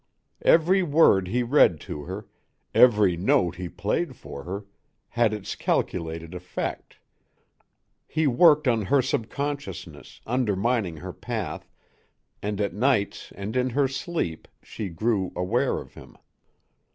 Every word he read to her, every note he played for her, had its calculated effect. He worked on her subconsciousness, undermining her path, and at nights and in her sleep she grew aware of him.